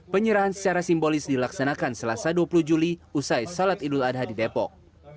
penyerahan secara simbolis dilaksanakan selasa dua puluh juli usai salat idul adha di depok